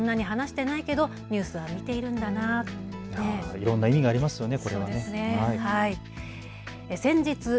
いろんな意味がありますよね。